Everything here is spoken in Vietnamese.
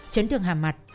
chấn thương hàm mặt